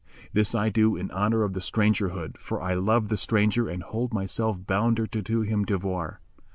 This I do in honour of thy strangerhood, for I love the stranger and hold myself bounder to do him devoir."